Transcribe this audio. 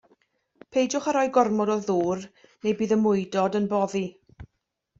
Peidiwch â rhoi gormod o ddŵr neu bydd y mwydod yn boddi.